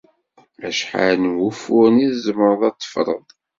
Acḥal n wufuren i tzemreḍ ad teffreḍ?